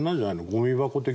ゴミ箱的な。